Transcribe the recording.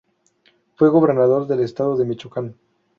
Fue Gobernador del Estado de Michoacán.